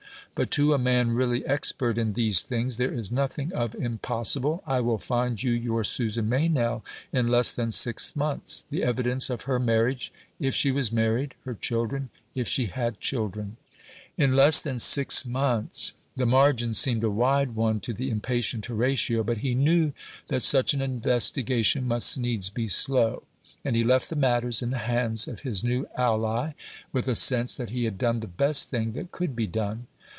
But to a man really expert in these things there is nothing of impossible. I will find you your Susan Meynell in less than six months; the evidence of her marriage; if she was married; her children, if she had children." In less than six months the margin seemed a wide one to the impatient Horatio. But he knew that such an investigation must needs be slow, and he left the matters in the hands of his new ally with a sense that he had done the best thing that could be done.